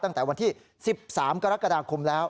ตั้งแต่วันที่๑๓กรกฎาคมแล้ว